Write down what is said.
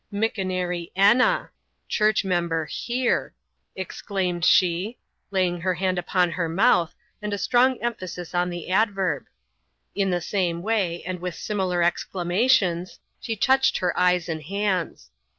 Mickonaree end^ (church member here)^ exclaimed she, laying her hand upon her mouth, and a strong emphasis on the adverb. In the same way, and with similar exclamations, she touched her eyes and hands.